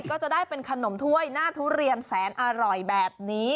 ก็จะได้เป็นขนมถ้วยหน้าทุเรียนแสนอร่อยแบบนี้